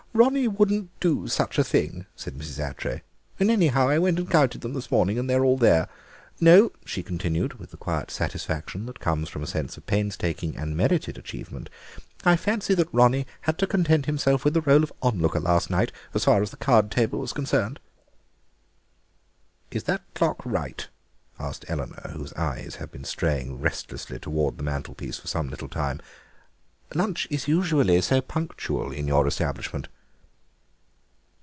"Ronnie wouldn't do such a thing," said Mrs. Attray; "and anyhow I went and counted them this morning and they're all there. No," she continued, with the quiet satisfaction that comes from a sense of painstaking and merited achievement, "I fancy that Ronnie had to content himself with the rôle of onlooker last night, as far as the card table was concerned." "Is that clock right?" asked Eleanor, whose eyes had been straying restlessly towards the mantel piece for some little time; "lunch is usually so punctual in your establishment."